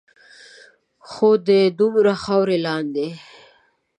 خو د دومره خاورو لاندے